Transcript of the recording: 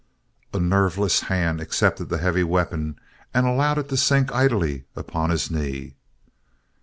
A nerveless hand accepted the heavy weapon and allowed it to sink idly upon his knee.